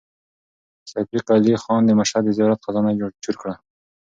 صفي قلي خان د مشهد د زیارت خزانه چور کړه.